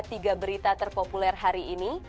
tiga berita terpopuler hari ini